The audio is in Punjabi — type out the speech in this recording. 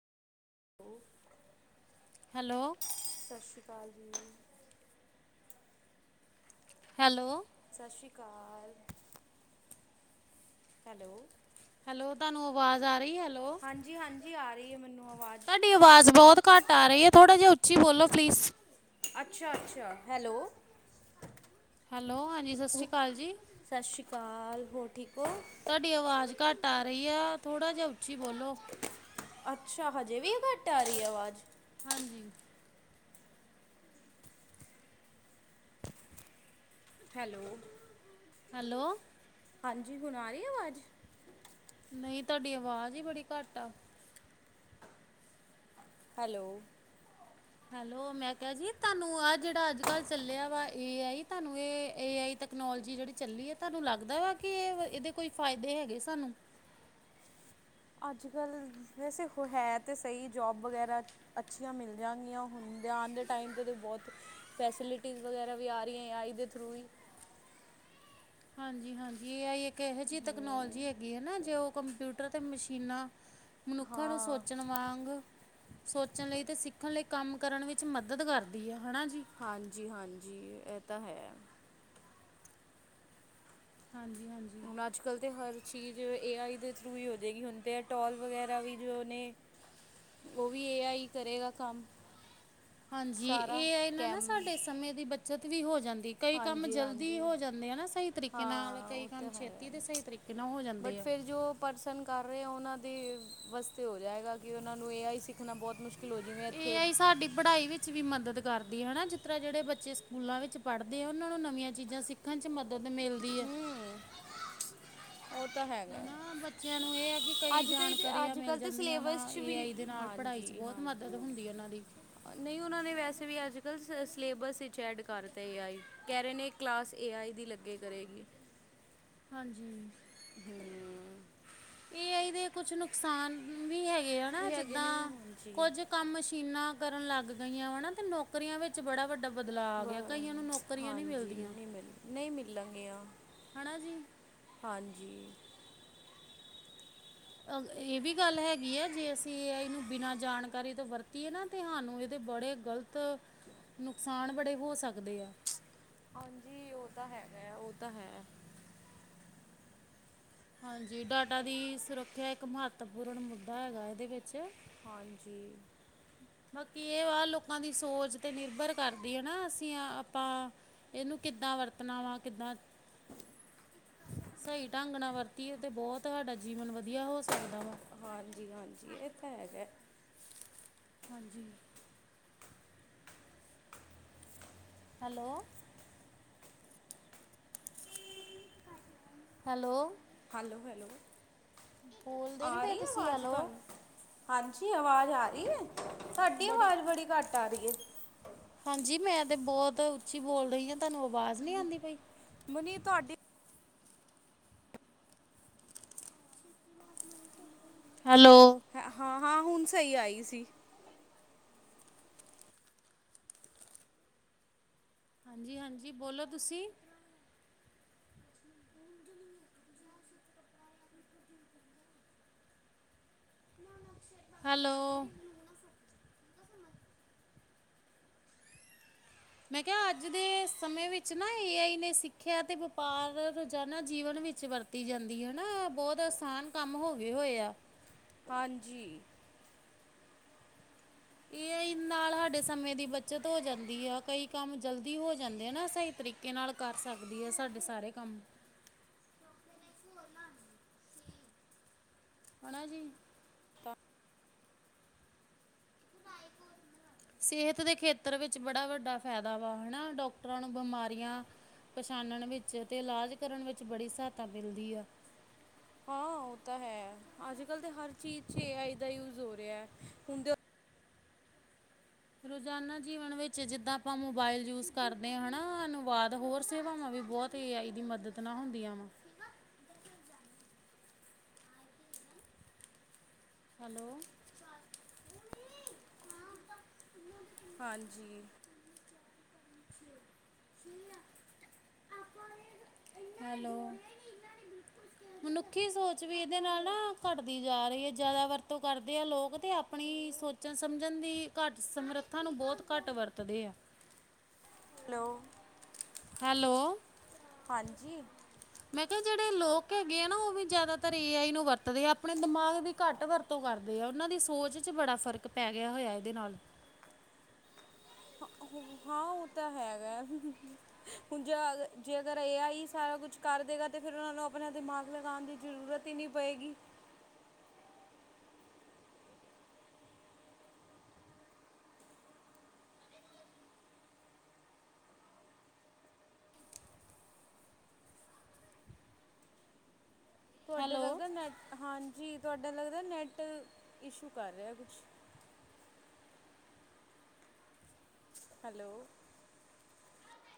ਓਕੇ। ਹੈਲੋ! ਸਤਿ ਸ਼੍ਰੀ ਅਕਾਲ ਜੀ। ਹੈਲੋ! ਸਸ ਸ੍ਰੀ ਅਕਾਲ। ਹੈਲੋ! ਹੈਲੋ, ਤੁਹਾਨੂੰ ਆਵਾਜ਼ ਆ ਰਹੀ ਏ। ਹਾਂਜੀ-ਹਾਂਜੀ ਆ ਰਹੀ ਹੈ ਮੈਨੂੰ ਆਵਾਜ਼। ਤੁਹਾਡੀ ਆਵਾਜ਼ ਬਹੁਤ ਘੱਟ ਆ ਰਹੀ ਐ, ਥੋੜਾ ਜਿਹਾ ਉੱਚੀ ਬੋਲੋ ਪਲੀਜ਼। ਅੱਛਾ-ਅੱਛਾ ਹੈਲੋ। ਹੈਲੋ ਹਾਂਜੀ ਸਤਿ ਸ੍ਰੀ ਕਾਲ ਜੀ। ਸਤਿ ਸ੍ਰੀ ਕਾਲ ਹੋਰ ਠੀਕ ਹੋ? ਤੁਹਾਡੀ ਆਵਾਜ਼ ਘੱਟ ਆ ਰਹੀ ਏ ਥੋੜ੍ਹਾ ਜਿਹਾ ਉੱਚੀ ਬੋਲੋ। ਅੱਛਾ ਹਜੇ ਵੀ ਘੱਟ ਆ ਰਹੀ ਹੈ ਆਵਾਜ਼। ਹਾਂਜੀ। ਹੈਲੋ। ਹੈਲੋ। ਹਾਂਜੀ ਹੁਨ ਆ ਰਹੀ ਅਵਾਜ਼। ਨਹੀਂ ਤਹਾਡੀ ਅਵਾਜ਼ ਈ ਬੜੀ ਘੱਟ ਆ। ਹੈਲੋ। ਹੈਲੋ ਮੈਂ ਕਿਹਾ ਜੀ ਤਹਾਨੂੰ ਆਹ ਜਿਹੜਾ ਅੱਜ ਕੱਲ੍ਹ ਚੱਲਿਆ ਵਾ ਏ ਆਈ ਤਹਾਨੂੰ ਇਹ ਏ ਆਈ ਤਕ। ਟਕਨੋਲਜੀ ਜਿਹੜੀ ਚੱਲੀ ਹੈ ਤਹਾਨੂੰ ਲੱਗਦਾ ਏ ਕਿ ਇਹ ਇਹਦੇ ਕੋਈ ਫਾਇਦੇ ਹੈਗੇ ਸਾਨੂੰ। ਅੱਜ ਕੱਲ੍ਹ ਵੈਸੇ ਉਹ ਹੈ ਤੇ ਸਹੀ ਜੋਬ ਵਗੈਰਾ। ਅੱਛੀਆਂ ਮਿਲ ਜਾਨਗੀਆਂ ਹੁਨ ਦੇ ਆਨ ਦੇ ਟਾਈਮ ਤੇ ਤੇ ਬੋਤ। ਫੇਸਿਲਟੀਜ਼ ਵਗੈਰਾ ਵੀ ਆ ਰਹੀਆਂ ਏ ਆਈ ਦੇ ਥਰੂ ਹੀ। ਹਾਂਜੀ, ਹਾਂਜੀ ਏ ਆਈ ਏਕ ਇਹੋ ਜਿਹੀ ਤਕਨੋਲਜੀ ਹੈਗੀ ਏ ਨਾ ਜੇ ਉਹ ਕੰਪਿਊ ਕੰਪਿਊਟਰ ਤੇ ਮਸ਼ੀਨਾਂ ਮਨੁਖਾਂ ਨੂੰ ਹਾਂ ਸੋਚਣ ਵਾਂਗ। ਸੋਚਨ ਲਈ ਤੇ ਸਿੱਖਨ ਲਈ ਕੰਮ ਕਰਨ ਵਿੱਚ ਮਦਦ ਕਰਦੀ ਹੈ ਹੈਣਾ ਜੀ। ਹਾਂਜੀ, ਹਾਂਜੀ ਇਹ ਤਾਂ ਹੈ। ਹਾਂਜੀ, ਹਾਂਜੀ। ਹੁਣ ਅੱਜ ਕੱਲ੍ਹ ਤੇ ਹਰ ਚੀਜ਼ ਏ ਆਈ ਦੇ ਥਰੂ ਹੀ ਹੋ ਜਾਏਗੀ ਹੁੰਨ ਤੇ ਇਹ ਟੋਲ ਵਗੈਰਾ ਵੀ ਜੋ ਨੇ। ਉਹ ਵੀ ਏ ਆਈ ਕਰੇਗਾ ਕੰਮ। ਹਾਂਜੀ ਸਾਰਾ ਏ ਆਈ ਨਾਲ ਨਾ ਕੈਮ ਸਾਡੇ ਸਮੇਂ ਦੀ ਬੱਚਤ ਵੀ ਹੋ ਜਾਂਦੀ। ਕਈ ਕੰਮ ਹਾਂਜੀ ਜਲਦੀ ਹਾਂਜੀ ਹੋ ਜਾਂਦੇ ਐ ਨਾ ਸਹੀ ਤਰੀਕੇ ਨਾਲ ਹਾਂ ਕਈ ਉਹ ਕੰਮ ਤਾਂ ਹੈ ਛੇਤੀ ਦੇ ਸਹੀ ਤਰੀਕੇ ਨਾਲ ਹੋ ਜਾਂਦੇ ਬਟ ਐ। ਫਿਰ ਜੋ ਪਰਸਨ ਕਰ ਰਏ ਉਹਨਾਂ ਦੇ ਵਸਤੇ ਹੋ ਜਾਏਗਾ ਕਿ ਉਹਨਾ ਨੂੰ ਏ ਆਈ ਸਿੱਖਨਾ ਬੋਤ ਮੁਸ਼ ਏ ਆਈ ਸਾਡੀ ਪੜ੍ਹਾਈ ਵਿ ਵਿੱਚ ਵੀ ਮਦਦ ਕਰਦੀ ਐ ਨਾ ਜਿਤਰਾਂ ਜਿਹੜੇ ਬੱਚੇ ਸਕੂਲਾਂ ਵਿੱਚ ਪੜ੍ਹਦੇ ਆ ਉਹਨਾਂ ਨੂੰ ਨਵੀਆਂ ਚੀਜਾਂ ਸਿੱ ਸਿੱਖਨ ਚ ਮਦਦ ਮਿਲਦੀ ਐ। ਹੁ। ਹਨਾ, ਬੱਚਿਆਂ ਨੂੰ ਇਹ ਏ ਕਿ ਕਈ ਅੱਜ ਕੱਲ੍ਹ ਜਾਣਕਾਰੀਆਂ ਅੱਜ ਮਿਲ ਕੱਲ੍ਹ ਤਾਂ ਜਾਂਦੀਆਂ ਵਾ ਸਿਲੇਬਸ 'ਚ ਏ ਵੀ ਆਈ ਦੇ ਨਾਲ ਪੜ੍ਹਾਈ ਚ ਬੋਤ ਮਦਦ ਹੁੰਦੀ ਔਨਾਂ ਦੀ। ਨਈ ਓਨਾਂ ਨੇ ਵੈਸੇ ਵੀ ਅੱਜ ਕੱਲ੍ਹ ਸ ਸਲੇਬਸ ਇਚ ਐਡ ਕਰਤੇ ਏ ਆਈ। ਕਿਹ ਰਏ ਨੇ ਇਕ ਕਲਾਸ ਏ ਆਈ ਦੀ ਲੱਗੇ ਕਰੇਗੀ। ਹਾਂਜੀ। ਹੁ। ਏ ਆਈ ਦੇ ਕੁਛ ਨੁਕਸਾਨ ਵੀ ਹੈਗੇ ਐ ਨਾ ਵੀ ਹੈਗੇ ਜਿੱਦਾਂ ਨੇ ਹਾਂਜੀ ਕੋਜ ਕੰਮ ਮਸ਼ੀਨਾਂ ਕਰਨ ਲੱਗ ਗਈਆਂ ਵਾ ਨਾ ਤੇ ਨੌਕਰੀਆਂ ਵਿੱਚ ਬੜਾ ਵੱਡਾ ਬਦਲਾ ਆ ਗਯਾ ਵ- ਕਈਆਂ ਨੂੰ ਨੌਕਰੀਆਂ ਨੀ ਹਾਂਜੀ ਮਿਲਦੀਆਂ। ਨਹੀਂ ਮਿਲ ਨਹੀਂ ਮਿਲਾਂਗੀਆਂ ਹਣਾ ਜੀ। ਹਾਂਜੀ। ਅ ਇਹ ਵੀ ਗੱਲ ਹੈਗੀ ਹੈ, ਜੇ ਅਸੀਂ ਇਹ ਏ ਆਈ ਨੂੰ ਬਿਨਾਂ ਜਾਣਕਾਰੀ ਤੋਂ ਵਰਤੀਏ ਨਾ ਤੇ ਹਾਨੂੰ ਇਹਦੇ ਬੜੇ ਗਲਤ। ਤ ਨੁਕਸਾਨ ਬੜੇ ਹੋ ਸਕਦੇ ਆ। ਹਾਂਜੀ ਔਹ ਤਾਂ ਹੈਗਾ, ਔਹ ਤਾਂ ਹੈ। ਹਾਂਜੀ ਡਾਟਾ ਦੀ ਸੁਰੱਖਿਆ ਇੱਕ ਮਹੱਤਵਪੂਰਨ ਮੁੱਦਾ ਹੈਗਾ ਇਹਦੇ ਵਿੱਚ। ਹਾਂਜੀ। ਬਾਕੀ ਏ ਵਾ ਲੋਕਾਂ ਦੀ ਸੋਚ ਤੇ ਨਿਰਭਰ ਕਰਦੀ ਐ ਨਾ ਅਸੀ ਆ ਆਪਾਂ ਏਨੂੰ ਕਿੱਦਾਂ ਵਰਤਣਾ ਵਾ ਕਿੱਦਾਂ ਸਈ ਢੰਗ ਨਾਲ ਵਰਤੀਏ ਤੇ ਬੋਤ ਹਾਡਾ ਜੀਵਨ ਵਧੀਆ ਹੋ ਸਕਦਾ ਵਾ। ਹਾਂਜੀ ਹਾਂਜੀ, ਏ ਤਾਂ ਹੈਗਾ ਐ। ਹਾਂਜੀ। ਹੈਲੋ। ਹੈਲੋ। ਹਲੋ ਹੈਲੋ ਬੋਲਦੇ ਨੀ ਆ ਪਏ ਰੀ ਐ ਤੁਸੀਂ ਵਾਜ ਹੈਲੋ ਤਾਨੂੰ? ਹਾਂਜੀ ਆਵਾਜ ਆ ਰੀ ਐ। ਤਾਡੀ ਵਾਜ ਬੜੀ ਘੱਟ ਆ ਰੀਏ। ਹਾਂਜੀ ਮੈਂ ਤੇ ਬੋਤ ਉੱਚੀ ਬੋਲ ਰਈ ਆਂ ਤਾਨੂੰ ਅਵਾਜ਼ ਨੀਂ ਆਂਦੀ ਪਈ? ਮਨੀ ਤੁਆਡੀ ਹੈਲੋ। ਹ ਹਾਂ ਹੁਨ ਸਈ ਆਈ ਸੀ। ਹਾਂਜੀ ਹਾਂਜੀ ਬੋਲੋ ਤੁਸੀ। ਹੈਲੋ। ਮੈਂ ਕੇਆ ਅੱਜ ਦੇ ਸਮੇਂ ਵਿੱਚ ਨਾ ਏ ਆਈ ਨੇ ਸਿੱਖਿਆ ਤੇ ਵਪਾਰ ਰੋਜਾਨਾ ਜੀਵਨ ਵਿੱਚ ਵਰਤ ਜਾਂਦੀ ਐ ਨਾ ਬੋਤ ਅਸਾਨ ਕੰਮ ਹੋ ਗਏ ਹੋਏ ਆ। ਹਾਂਜੀ। ਏ ਆਈ ਨਾਲ ਹਾਡੇ ਸਮੇਂ ਦੀ ਬੱਚਤ ਹੋ ਜਾਂਦੀ ਆ ਕਈ ਕੰਮ ਜਲਦੀ ਹੋ ਜਾਂਦੇ ਆ ਨਾ ਸਈ ਤਰੀਕੇ ਕੇ ਨਾਲ ਕਰ ਸਕਦੀ ਐ ਸਾਡੇ ਸਾਰੇ ਕੰਮ। ਹੈਣਾ ਜੀ? ਸੇਹਤ ਦੇ ਖੇਤਰ ਵਿੱਚ ਬੜਾ ਵੱਡਾ ਫੈਦਾ ਵਾ ਹਨਾ ਡਾਕਟਰਾਂ ਨੂੰ ਬਮਾਰੀਆਂ ਪਛਾਨਣ ਵਿੱਚ ਤੇ ਇਲਾਜ ਕਰਨ ਵਿੱਚ ਬੜੀ ਸਹਾਏਤਾ ਮਿਲਦੀ ਆ। ਹਾਂ ਓ ਤਾ ਹੈ। ਅੱਜ ਕੱਲ੍ਹ ਤਾਂ ਹਰ ਚੀਜ਼ ਚ ਏ ਆਈ ਦਾ ਯੂਜ਼ ਹੋ ਰੇਆ ਐ। ਹੁਣਦੇ ਰੋਜ਼ਾਨਾ ਜੀਵਨ ਵਿੱਚ ਜਿੱਦਾਂ ਆਪਾਂ ਮੋਬਾਇਲ ਯੂਜ਼ ਕਰਦੇ ਆਂ ਹੈਨਾ ਅਨੁਵਾਦ ਹੋਰ ਸੇਵਾਵਾਂ ਵੀ ਬੋਤ ਤੇ ਏ ਆਈ ਦੀ ਮਦਦ ਨਾ ਹੁੰਦੀਆਂ ਵਾ। ਹੈਲੋ। ਹਾਂਜੀ। ਹੈਲੋ। ਮਨੁੱਖੀ ਸੋਚ ਵੀ ਏਦੇ ਨਾਲ ਨਾ ਘੱਟਦੀ ਜਾ ਰੀ ਐ। ਜਾਦਾ ਵਰਤੋਂ ਕਰਦੇ ਆ ਲੋਕ ਤੇ ਅਪਣੀ ਸੋਚ ਚਨ ਸਮਝਣ ਦੀ ਘੱਟ ਸਮਰੱਥਾ ਨੂੰ ਬੋਤ ਘੱਟ ਵਰਤਦੇ ਆ। ਹੈਲੋ। ਹੈਲੋ। ਹਾਂਜੀ। ਮੈਂ ਕੇਆ ਜੇੜੇ ਲੋਕ ਹੈਗੇ ਆ ਨਾ ਓ ਵੀ ਜਾਦਾਤਰ ਏ ਆਈ ਨੂੰ ਵਰਤਦੇ ਆ ਅਪਣੇ ਦਿਮਾਗ ਵੀ ਘੱਟ ਵਰ ਤੋਂ ਕਰਦੇ ਆ। ਓਨਾਂ ਦੀ ਸੋਚ ਇਚ ਬੜਾ ਫ਼ਰਕ ਪੈ ਗੇਆ ਹੋਏਆ ਏਦੇ ਨਾਲ। ਹਾਂ ਓ ਤਾਂ ਹੈਗਾ ਐ। ਹੁਨ ਜੇ ਅ ਜੇ ਅਗਰ ਏ ਆਈ ਸਾਰਾ ਕੁਛ ਕਰ ਦੇਗਾ ਤਾਂ ਫੇਰ ਓਨਾਂ ਨੂੰ ਆਪਣਾ ਦਿਮਾਗ ਲਗਾਣ ਦੀ ਜਰੂਰਤ ਈ ਨੀ ਪਏਗੀ। ਤੁਆਡੇ ਹੈਲੋ ਲੱਗਦਾ ਨੈੱਟ ਹਾਂਜੀ ਤੁਆਡੇ ਲੱਗਦਾ ਨੈੱਟ ਇਸ਼ੂ ਕਰ ਰੇਆ ਕੁਛ। ਹੈਲੋ।